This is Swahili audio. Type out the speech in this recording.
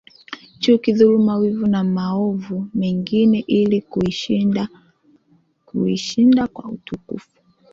chuki dhuluma wivu na maovu mengine ili kuishinda kwa utukufu